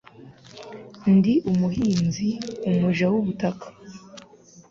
Ndi umuhinzi, umuja wubutaka.